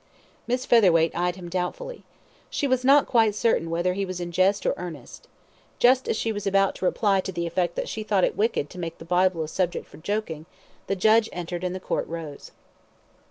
Miss Featherweight eyed him doubtfully. She was not quite certain whether he was in jest or earnest. Just as she was about to reply to the effect that she thought it wicked to make the Bible a subject for joking, the Judge entered and the Court rose.